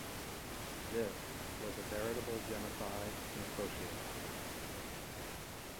This was a veritable genocide and sociocide.